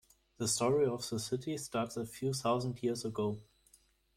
The story of the city starts a few thousand years ago.